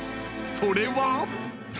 それは。